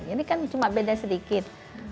ini kan cuma beda sedikit